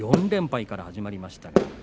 ４連敗から始まりました。